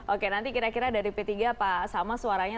oke nanti kira kira dari p tiga pak sama suaranya